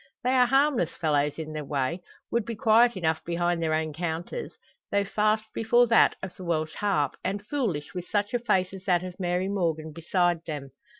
They are harmless fellows in their way; would be quiet enough behind their own counters; though fast before that of the "Welsh Harp," and foolish with such a face as that of Mary Morgan beside them.